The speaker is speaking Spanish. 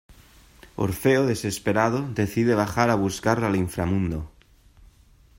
Orfeo, desesperado, decide bajar a buscarla al inframundo.